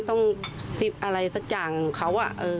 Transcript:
ซิปอะไรสักอย่างเขา